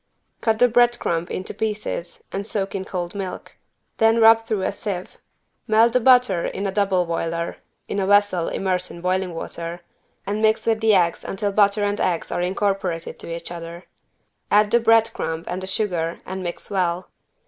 Cut the bread crumb into pieces and soak in cold milk. Then rub though a sieve. Melt the butter in a double boiler (in a vessel immersed in boiling water) and mix with the eggs until butter and eggs are incorporated to each other. Add the bread crumb and the sugar and mix well.